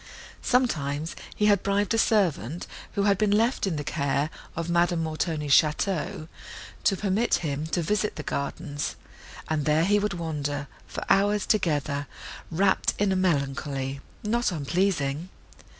Sometimes he had bribed a servant, who had been left in the care of Madame Montoni's château, to permit him to visit the gardens, and there he would wander, for hours together, rapt in a melancholy, not unpleasing.